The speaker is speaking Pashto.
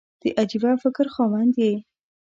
د عجبه فکر خاوند یې !